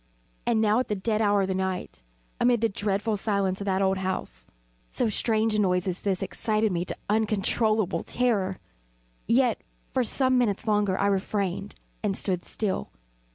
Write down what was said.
And now at the dead hour of the night, amid the dreadful silence of that old house, so strange a noise as this excited me to uncontrollable terror. Yet, for some minutes longer I refrained and stood still.